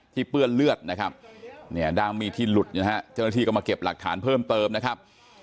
เปื้อนเลือดนะครับเนี่ยด้ามมีดที่หลุดนะฮะเจ้าหน้าที่ก็มาเก็บหลักฐานเพิ่มเติมนะครับ